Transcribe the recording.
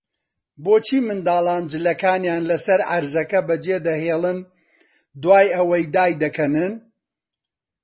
بۆچی منداڵان جلەکانیان لەسەر عەرزەکە بەجێدەهێڵن، دوای ئەوەی دایاندەکەنن؟